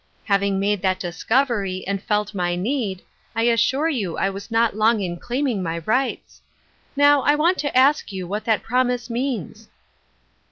'' Having made that discovery, and felt my need, I assure you I was not long in claiming m\ riglits. Now, I want to ask you what that promise means